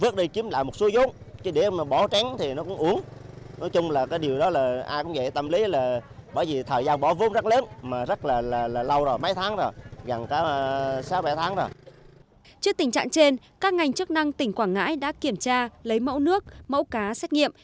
trước tình trạng trên các ngành chức năng tỉnh quảng ngãi đã kiểm tra lấy mẫu nước mẫu cá xét nghiệm